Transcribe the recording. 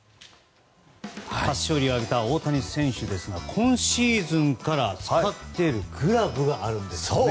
初勝利を挙げた大谷翔平選手ですが今シーズンから使っているグラブがあるんですよね。